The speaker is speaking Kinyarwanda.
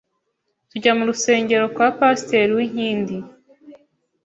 tujya mu rusengero kwa Pasteur uwinkindi,